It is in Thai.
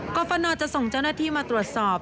กรฟนจะส่งเจ้าหน้าที่มาตรวจสอบ